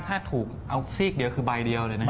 ถ้าถูกเอาซีกเดียวคือใบเดียวเลยนะครับ